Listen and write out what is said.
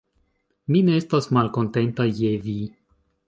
Mi ne estas malkontenta je vi.